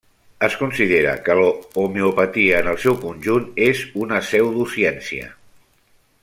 Es considera que l'homeopatia en el seu conjunt és una pseudociència.